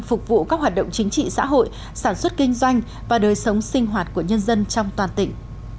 phục vụ các hoạt động chính trị xã hội sản xuất kinh doanh và đời sống sinh hoạt của nhân dân trong toàn tỉnh